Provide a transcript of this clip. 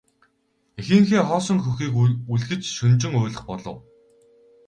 Эхийнхээ хоосон хөхийг үлгэж шөнөжин уйлах болов.